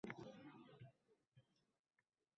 U millionlab dollarni chet elga obketmadi.